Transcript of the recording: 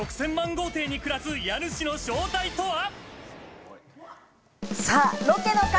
豪邸に暮らす家主の正体とは。